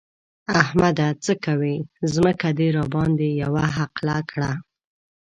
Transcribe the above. احمده! څه کوې؛ ځمکه دې راباندې يوه حقله کړه.